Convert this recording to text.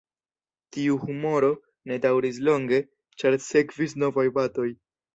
Tiu humoro ne daŭris longe, ĉar sekvis novaj batoj.